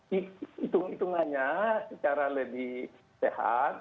hitungannya secara lebih sehat